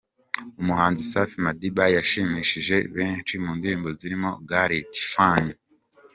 Umuhanzi Safi Madiba yashimishije benshi mu ndirimbo zirimo Got it , Fine.